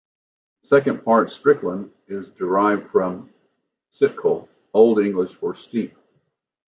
The second part "Stickland" is derived from "sticol", Old English for "steep".